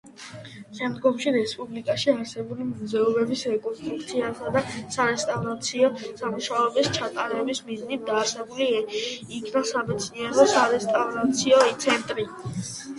შემდგომში, რესპუბლიკაში არსებული მუზეუმების რეკონსტრუქციასა და სარესტავრაციო სამუშაოების ჩატარების მიზნით დაარსებულ იქნა სამეცნიერო-სარესტავრაციო ცენტრი.